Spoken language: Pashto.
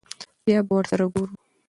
بيا به ور سره ګورو.